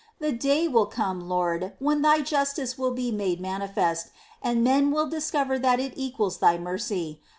The day will come, Lord, when Thy justice will be made manifest, and men will discover that it equals Thy mercy.